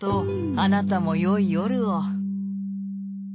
あなたもよい夜を。